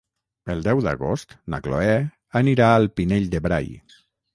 El deu d'agost na Cloè anirà al Pinell de Brai.